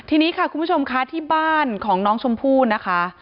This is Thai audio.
ทีนี้ค่ะคุณผู้ชมค่ะที่บ้านของน้องชมพู่นะคะ